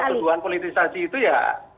bahwa tujuan politisasi itu ya